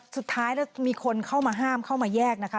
สุดท้ายแล้วมีคนเข้ามาห้ามเข้ามาแยกนะคะ